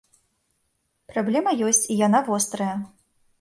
Праблема ёсць і яна вострая.